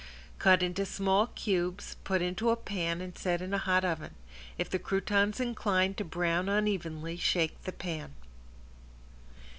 Cut into small cubes, put into a pan and set in a hot oven. If the croutons incline to brown unevenly shake the pan.